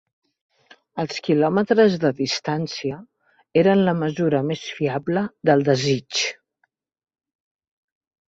Els quilòmetres de distància eren la mesura més fiable del desig.